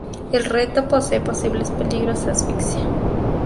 El reto posee posibles peligros de asfixia.